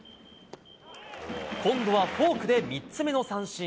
今度はフォークで３つ目の三振。